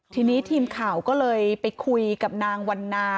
ทีนี้ทีมข่าวก็เลยไปคุยกับนางวันนา